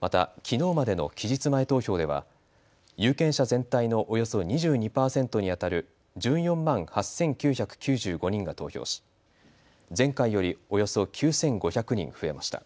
また、きのうまでの期日前投票では有権者全体のおよそ２２％にあたる１４万８９９５人が投票し前回よりおよそ９５００人増えました。